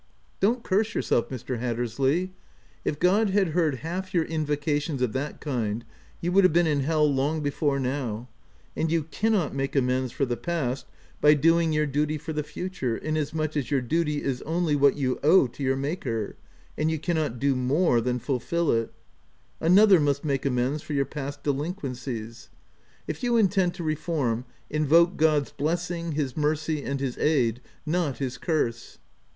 Don't curse yourself, Mr, Hattersley ; if God had heard half your invocations of that kind, you would have been in hell long before now — and you cannot make amends for the past by doing your duty for the future, in as much as your duty is only what you owe to your Maker, and you cannot do more than fulfil it — another must make amends for your past de OF WILDFELL HALL. 95 linquencies. If you intend to reform, invoke God's blessing, his mercy, and his aid ; not his curse."